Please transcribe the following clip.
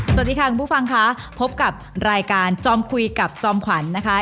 สวัสดีค่ะคุณผู้ฟังค่ะพบกับรายการจอมคุยกับจอมขวัญนะคะ